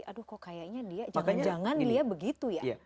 aduh kok kayaknya dia jangan jangan dia begitu ya